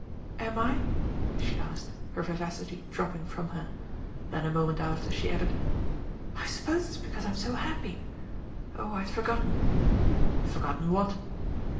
"Am I?" the aiked, her vivtcity dropping from her; then a moment after she added, "I luppoae it*t because I'm so happy. Oh, I'd forgotten. "Forgotten what?"